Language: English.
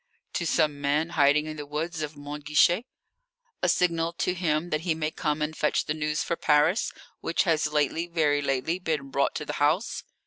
"To some man hiding in the woods of Mont Guichet, a signal to him that he may come and fetch the news for Paris which has lately very lately been brought to the house."